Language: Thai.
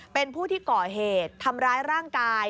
เป็นผู้ที่ก่อเหตุทำร้ายร่างกาย